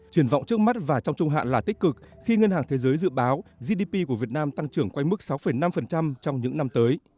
triển vọng trước mắt và trong trung hạn là tích cực khi ngân hàng thế giới dự báo gdp của việt nam tăng trưởng quay mức sáu năm trong những năm tới